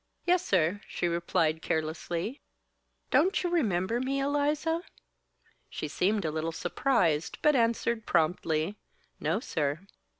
"Yes, sir," she replied, carelessly. "Don't you remember me, Eliza?" She seemed a little surprised, but answered promptly: "No, sir."